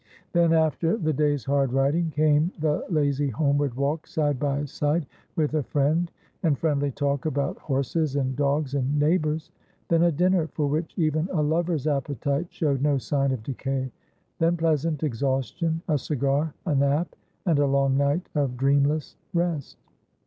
Then, after the day's hard riding, came the lazy homeward walk side by side with a friend, and friendly talk about horses and dogs and neighbours. Then a dinner for which even a lover's appetite showed no sign of decay. Then pleasant exhaustion ; a cigar ; a nap ; and a long night of dreamless rest.